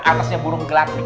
atasnya burung gelap